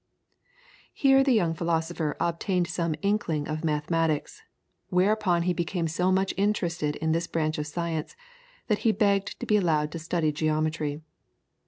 Here the young philosopher obtained some inkling of mathematics, whereupon he became so much interested in this branch of science, that he begged to be allowed to study geometry.